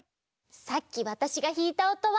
さっきわたしがひいたおとは